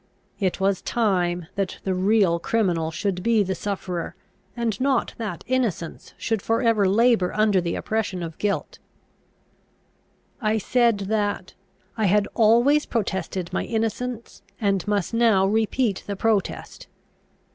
It was time that the real criminal should be the sufferer, and not that innocence should for ever labour under the oppression of guilt. I said that "I had always protested my innocence, and must now repeat the protest."